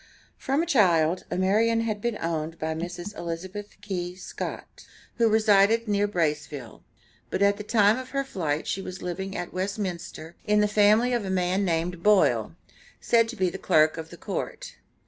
From a child, Amarian had been owned by Mrs. Elizabeth Key Scott, who resided near Braceville, but at the time of her flight she was living at Westminster, in the family of a man named "Boile," said to be the clerk of the court.